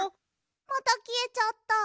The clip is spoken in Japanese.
またきえちゃった。